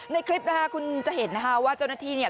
ในคลิปนะคะคุณจะเห็นนะคะว่าเจ้าหน้าที่เนี่ย